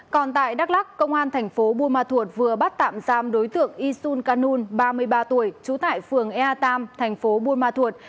còn tại đắk lắc công an thành phố buôn ma thuột vừa bắt tạm giam đối tượng isun canun ba mươi ba tuổi trú tại phường ea tam thành phố buôn ma thuột